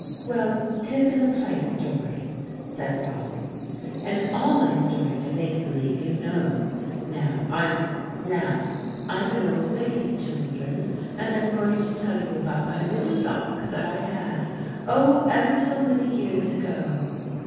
"Well, 'tis in a play story," said Polly. "And all my stories are make believe, you know. Now, I'm an old lady, children; and I'm going to tell you about my little duck I had, oh, ever so many years ago!"